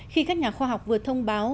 khi các nhà khoa học vừa thông báo